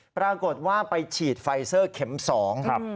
ปรากฏว่าไปฉีดไฟเซอร์เข็มสองครับ